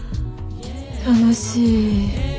楽しい。